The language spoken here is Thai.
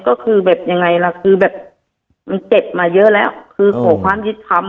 ก็คือแบบยังไงล่ะคือแบบมันเจ็บมาเยอะแล้วคือขอความยุติธรรม